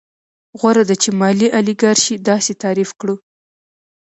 غوره ده چې مالي الیګارشي داسې تعریف کړو